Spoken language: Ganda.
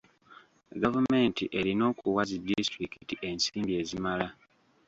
Gavumenti erina okuwa zi disitulikiti ensimbi ezimala.